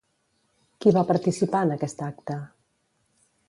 Qui va participar en aquest acte?